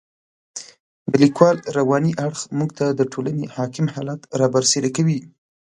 د لیکوال رواني اړخ موږ ته د ټولنې حاکم حالات را برسېره کوي.